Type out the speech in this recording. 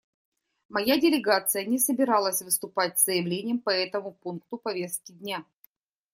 Моя делегация не собиралась выступать с заявлением по этому пункту повестки дня.